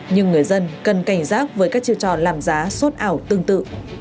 nhưng người dân cần cảnh giác với các chiều tròn làm giá sốt ảo tương tự